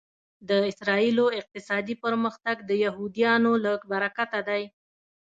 د اسرایلو اقتصادي پرمختګ د یهودیانو له برکته دی